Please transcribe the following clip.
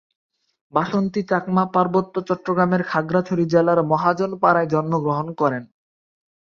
বাসন্তী চাকমা পার্বত্য চট্টগ্রামের খাগড়াছড়ি জেলার মহাজন পাড়ায় জন্মগ্রহণ করেন।